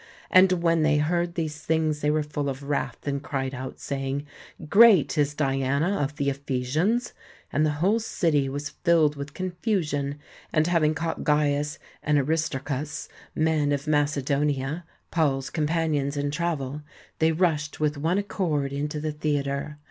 And when they heard these things they were full of wrath, and cried out, saying, Great is Diana of the Ephesians. And the whole city was filled with con fusion: and having caught Gaius and Aristarchus, men of Macedonia, Paul's companions in travel, they rushed with one accord into the theatre.